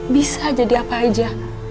bisa jadi apa aja